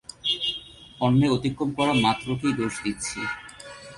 অন্যায় অতিক্রম করা মাত্রকেই দোষ দিচ্ছি।